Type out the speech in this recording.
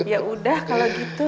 yaudah kalau gitu